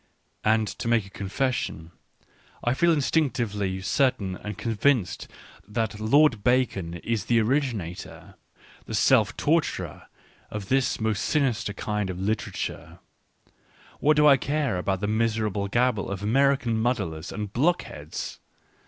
... And, to make a confession; ITeel instinctively certain and convinced that Lord Bacon is the originator, the self torturer, of this most sinister kind of litera Digitized by Google WHY I AM SO CLEVER 4 1 ture: what do I care about the miserable gabble of American muddlers and blockheads